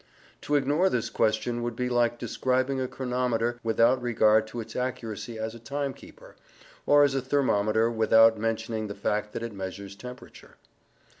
To ignore this question would be like describing a chronometer without regard to its accuracy as a time keeper, or a thermometer without mentioning the fact that it measures temperature.